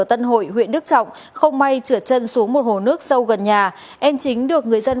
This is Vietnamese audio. tân hội huyện đức trọng không may trượt chân xuống một hồ nước sâu gần nhà em chính được người dân